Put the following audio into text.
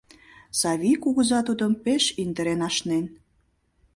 Савий кугыза тудым пеш индырен ашнен.